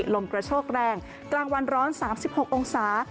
ลมกระโชคแรงกลางวันร้อนสามสิบหกองศา